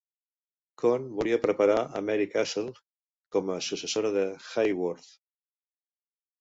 Cohn volia preparar a Mary Castle com a successora de Hayworth.